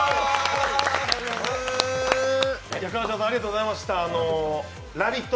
川島さん、ありがとうございましたＬＯＶＥＩＴ！